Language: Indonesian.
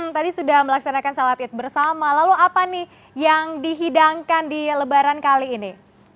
yang tadi sudah melaksanakan salat id bersama lalu apa nih yang dihidangkan di lebaran kali ini